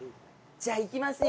じゃ行きますよ。